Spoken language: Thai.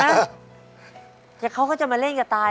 สวัสดีครับน้องเล่จากจังหวัดพิจิตรครับ